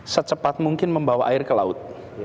secepat mungkin membawa air ke laut